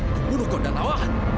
aku bunuh kau danawa